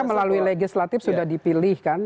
melalui legislatif sudah dipilih kan